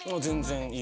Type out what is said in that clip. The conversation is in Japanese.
全然。